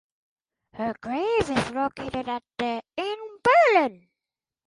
Her grave is located at the in Berlin.